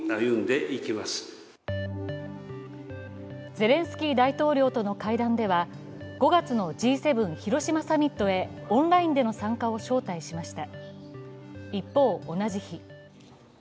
ゼレンスキー大統領との会談では５月にＧ７広島サミットへオンラインでの参加を招待しました。